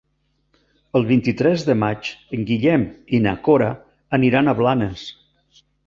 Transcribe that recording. El vint-i-tres de maig en Guillem i na Cora aniran a Blanes.